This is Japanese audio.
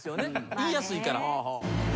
言いやすいから。